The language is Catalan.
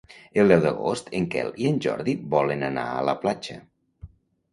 El deu d'agost en Quel i en Jordi volen anar a la platja.